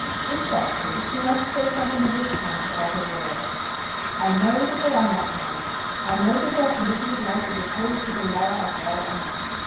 In such case he must say something of this kind to all the world; "I know that they are not married. I know that their condition of life is opposed to the law of God and man.